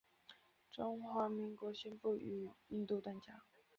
中华民国宣布与印度断交。